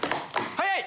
早い！